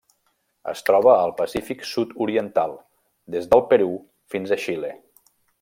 Es troba al Pacífic sud-oriental: des del Perú fins a Xile.